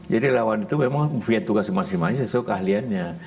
jadi relawan itu memang punya tugas masing masing sesuai keahliannya